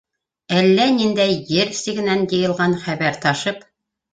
Әллә ниндәй ер сигенән йыйылған хәбәр ташып.